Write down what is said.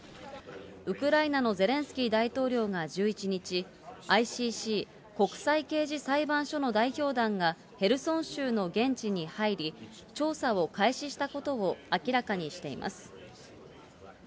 ウクライナのゼレンスキー大統領が１１日、ＩＣＣ・国際刑事裁判所の代表団がヘルソン州の現地に入り、調査を開始したことを明らかにしています。